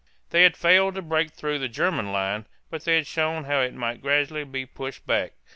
They had failed to break through the German line, but they had shown how it might gradually be pushed back.